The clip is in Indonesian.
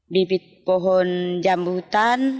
bibit pohon jambu hutan